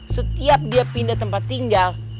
setiap dia pindah tempat tinggal